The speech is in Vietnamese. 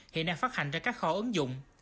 hiện nay phát hành ra các kho ứng dụng